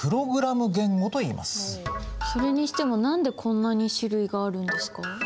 それにしても何でこんなに種類があるんですか？